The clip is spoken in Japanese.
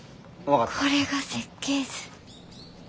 これが設計図。